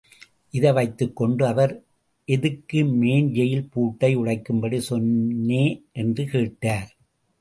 இதை வைத்துக் கொண்டு அவர் எதுக்கு மேன் ஜெயில் பூட்டை உடைக்கும்படி சொன்னே? என்று கேட்டார்.